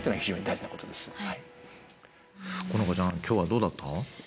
今日はどうだった？